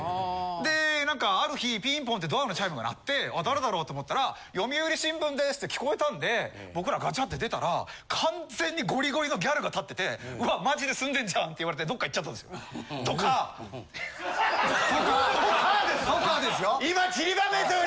でなんかある日ピンポーンってドアのチャイムが鳴って誰だろうって思ったら読売新聞です！って聞こえたんで僕らガチャって出たら完全に。が立っててうわっマジで住んでんじゃん！って言われてどっか行っちゃったんですとか。とかとかですよ。